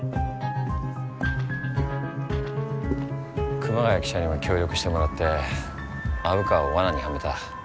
熊谷記者にも協力してもらって虻川を罠にはめた。